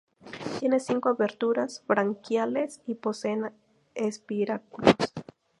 Tienen cinco aberturas branquiales y poseen espiráculos.